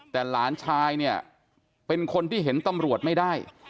แต่หลานชายเนี่ยเป็นคนที่เห็นตำรวจไม่ได้